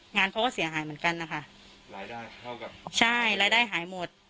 งานเขาก็เสียหายเหมือนกันนะคะรายได้เท่ากับใช่รายได้หายหมด